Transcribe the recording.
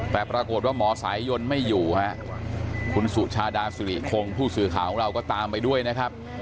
แต่ปรากฏว่าหมอสายยนต์ไม่อยู่ฮะคุณสุชาดาสุริคงผู้สื่อข่าวของเราก็ตามไปด้วยนะครับ